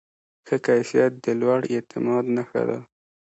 ښه کیفیت د لوړ اعتماد نښه ده.